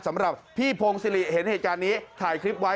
สำหรับพี่พงศิริเห็นเหตุการณ์นี้ถ่ายคลิปไว้